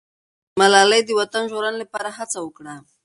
ملالۍ د وطن د ژغورنې لپاره هڅه وکړه.